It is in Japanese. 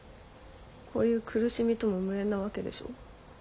こういう苦しみとも無縁なわけでしょ？